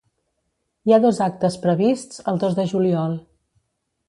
Hi ha dos actes prevists el dos de juliol.